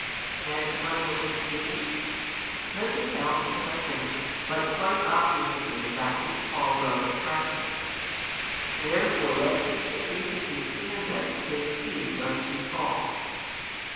And what will this be? Nothing else, as I think, but quite obviously that which Paul well expresses: Wherefore let him that thinketh he standeth take heed lest he fall.